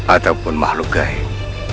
ataupun makhluk gaib